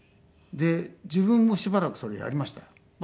自分もしばらくそれやりましたよ。